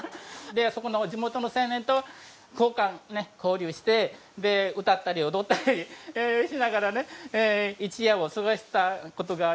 そこの地元の青年と交歓ね交流して歌ったり踊ったりしながらね一夜を過ごしたことがあります。